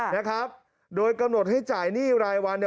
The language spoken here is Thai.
นะครับโดยกำหนดให้จ่ายหนี้รายวัน